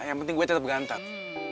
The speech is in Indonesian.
yang penting gue tetap gantat